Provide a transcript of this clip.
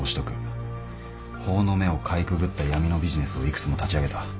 法の目をかいくぐった闇のビジネスを幾つも立ち上げた。